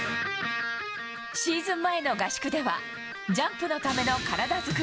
シーズン前の合宿では、ジャンプのための体作り。